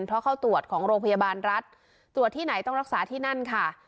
เพราะเข้าตรวจของโรงพยาบาลรัฐตรวจที่ไหนต้องรักษาที่นั่นค่ะ